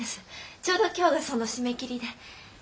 ちょうど今日がその締め切りで。